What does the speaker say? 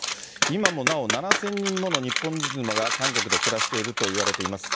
今もなお７０００人もの日本人妻が韓国で暮らしているといわれています。